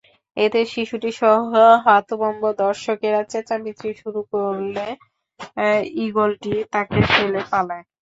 এতে শিশুটিসহ হতভম্ব দর্শকেরা চেঁচামেচি শুরু করলে ইগলটি তাকে ফেলে পালায়।